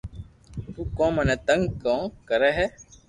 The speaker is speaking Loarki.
تو ڪو مني تنگ ڪو ڪري ھي